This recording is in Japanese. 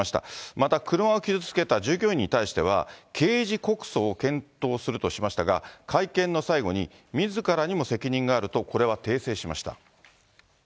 また車を傷つけた従業員に対しては、刑事告訴を検討するとしましたが、会見の最後に、みずからにも責任があるとこれは訂正しました。